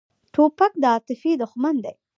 توپک د عاطفې دښمن دی.